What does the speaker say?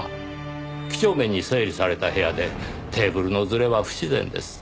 几帳面に整理された部屋でテーブルのずれは不自然です。